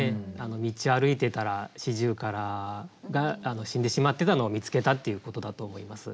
道歩いてたら四十雀が死んでしまってたのを見つけたっていうことだと思います。